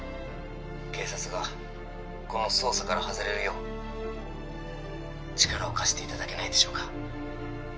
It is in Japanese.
警察がこの捜査から外れるよう力を貸していただけないでしょうか